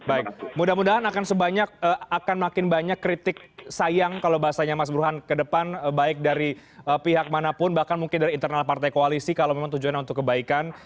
baik mudah mudahan akan makin banyak kritik sayang kalau bahasanya mas burhan ke depan baik dari pihak manapun bahkan mungkin dari internal partai koalisi kalau memang tujuannya untuk kebaikan